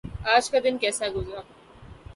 آج کا دن کیسے گزرا؟